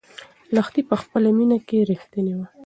لښتې په خپله مینه کې رښتینې وه.